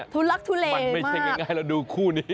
ทุลักษณ์ทุเลมากมันไม่ใช่ง่ายแล้วดูคู่นี้